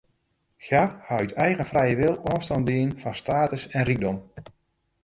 Hja hat út eigen frije wil ôfstân dien fan status en rykdom.